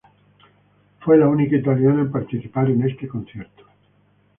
Fue la única italiana en participar en este concierto.